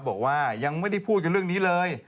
บอกว่ายังไม่ได้พูดกันเรื่องนี้เลย